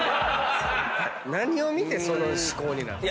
何を見てその思考になってんの？